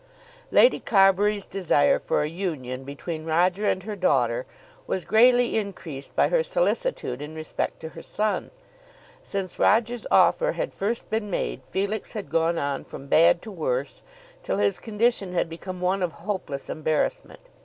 Lady Carbury's desire for a union between Roger and her daughter was greatly increased by her solicitude in respect to her son. Since Roger's offer had first been made, Felix had gone on from bad to worse, till his condition had become one of hopeless embarrassment.